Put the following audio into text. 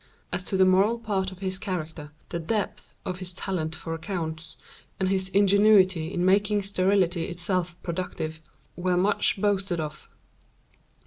As to the moral part of his character, the depth of his talent for accounts, and his ingenuity in making sterility itself productive, were much boasted of.